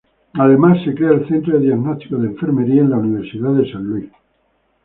Además se crea el Centro de Diagnósticos de Enfermería en Saint Louis University.